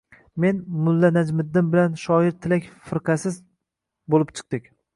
— men, mulla Najmiddin bilan shoir Tilak firqasiz bo‘lib chiqdik.